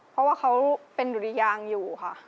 เพราะว่าเขาเป็นดุริยางอยู่ค่ะ